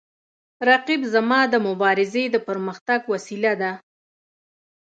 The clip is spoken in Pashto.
رقیب زما د مبارزې د پرمختګ وسیله ده